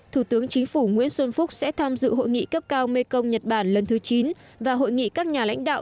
thủ tướng chính phủ nguyễn xuân phúc sẽ tham dự hội nghị cấp cao mekong nhật bản lần thứ chín và hội nghị các nhà lãnh đạo